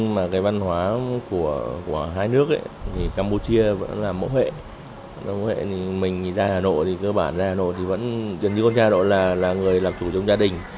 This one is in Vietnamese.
mình ra hà nội thì vẫn giống như con cha đó là người làm chủ trong gia đình